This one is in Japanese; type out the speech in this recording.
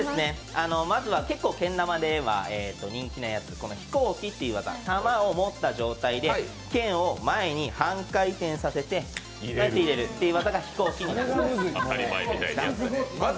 まずは、結構、けん玉では人気のやつ、飛行機という技玉を持った状態でけんを前に半回転させてこうやって入れるっていうのが飛行機です。